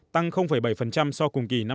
tăng bảy so cùng kỳ năm hai nghìn một mươi bảy